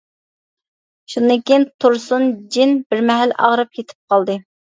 شۇندىن كېيىن تۇرسۇن جىن بىر مەھەل ئاغرىپ يېتىپ قالدى.